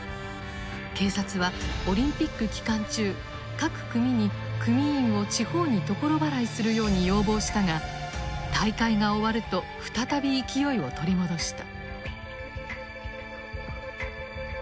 警察はオリンピック期間中各組に組員を地方に所払いするように要望したが大会が終わると再び勢いを取り戻した。